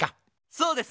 そうですね。